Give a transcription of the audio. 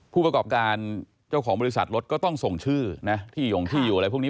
ผู้ประกอบการเจ้าของบริษัทรถก็ต้องส่งชื่อนะที่หย่งที่อยู่อะไรพวกนี้